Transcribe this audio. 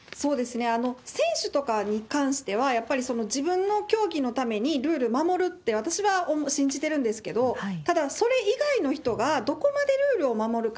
選手とかに関しては、やっぱり自分の競技のためにルール守るって、私は信じてるんですけど、ただ、それ以外の人がどこまでルールを守るか。